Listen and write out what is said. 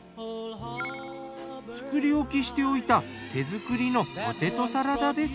作り置きしておいた手作りのポテトサラダです。